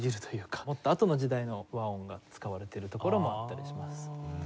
もっとあとの時代の和音が使われてるところもあったりします。